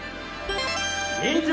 忍者！